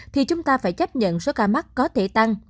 thì chúng ta phải chấp nhận số ca mắc có thể tăng